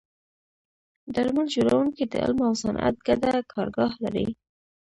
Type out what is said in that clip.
درمل جوړونکي د علم او صنعت ګډه کارګاه لري.